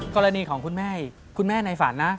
กรณีของคุณแม่คุณแม่ในฝันนะ